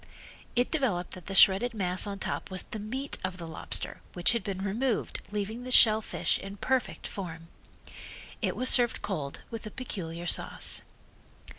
It developed that the shredded mass on top was the meat of the lobster which had been removed leaving the shell fish in perfect form. It was served cold, with a peculiar sauce.